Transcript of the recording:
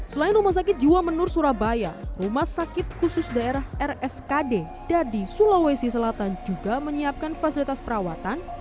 selain rumah sakit jiwa menur surabaya rumah sakit khusus daerah rskd dadi sulawesi selatan juga menyiapkan fasilitas perawatan